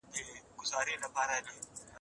زموږ له جنګه خبر شوي خلګ